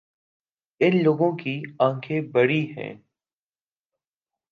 اِن لوگوں کی آنکھیں بڑی ہیں